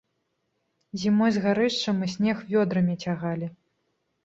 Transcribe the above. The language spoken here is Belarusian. Зімой з гарышча мы снег вёдрамі цягалі.